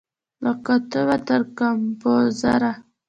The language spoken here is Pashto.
له کاتبه تر کمپوزره